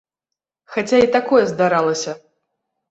Хаця і такое здаралася.